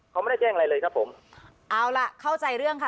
เขาไม่ได้แจ้งอะไรเลยครับผมเอาล่ะเข้าใจเรื่องค่ะ